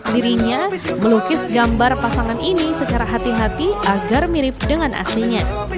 dirinya melukis gambar pasangan ini secara hati hati agar mirip dengan aslinya